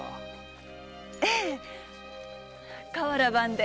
ええ瓦版で。